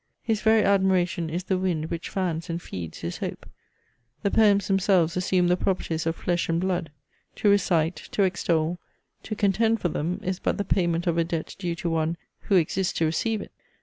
His very admiration is the wind which fans and feeds his hope. The poems themselves assume the properties of flesh and blood. To recite, to extol, to contend for them is but the payment of a debt due to one, who exists to receive it.